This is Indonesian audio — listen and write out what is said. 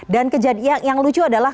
dan yang lucu adalah